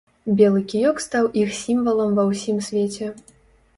Белы кіёк стаў іх сімвалам ва ўсім свеце.